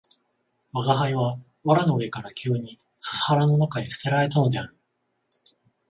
吾輩は藁の上から急に笹原の中へ棄てられたのである